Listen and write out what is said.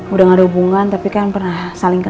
udah gak ada hubungan tapi kan pernah berjalan sama dia aja kan